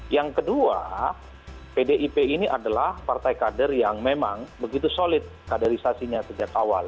yang kedua pdip ini adalah partai kader yang memang begitu solid kaderisasinya sejak awal